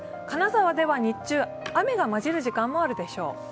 金沢では日中、雨が混じる時間もあるでしょう。